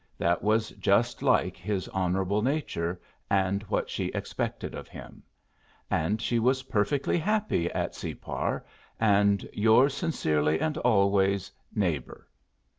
That was just like his honorable nature, and what she expected of him. And she was perfectly happy at Separ, and "yours sincerely and always, 'Neighbor.'"